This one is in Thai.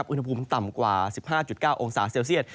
อุณหภูมิต่ำกว่า๑๕๙องศาเซลเซียต